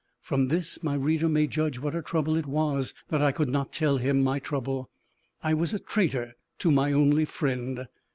From this my reader may judge what a trouble it was that I could not tell him my trouble. I was a traitor to my only friend!